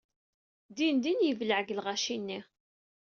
Dindin yebleɛ deg lɣaci-nni.